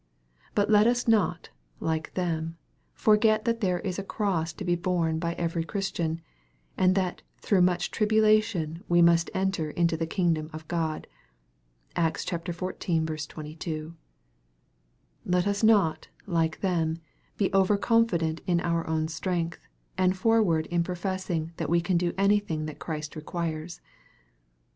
But let us not, like them, forget that there is a cross to be borne by every Christian, and that " through much tribulation we must enter into the kingdom of God." (Acts xiv. 22.) Let us not, like them, be over confident in our own strength, and forward in professing that we can do any thing that Christ requires.